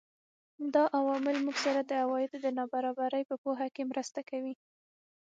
دا عوامل موږ سره د عوایدو د نابرابرۍ په پوهه کې مرسته کوي